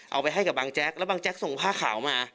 เอาไปให้กับบางแจ๊กแล้วบางแจ๊กส่งผ้าขาวมา